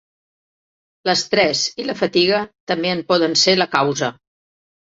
L'estrès i la fatiga també en poder ser la causa.